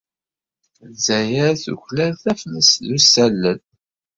Lezzayer tuklal taflest d usalel.